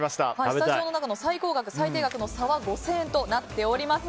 スタジオの中の最高額と最低額の差は５０００円となっております。